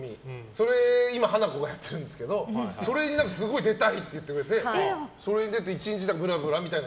それ、今ハナコがやってるんですけどそれにすごい出たいって言ってくれてそれに出て１日ぶらぶらみたいな。